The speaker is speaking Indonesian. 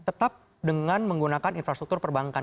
tetap dengan menggunakan infrastruktur perbankan